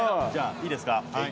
じゃあいいですか？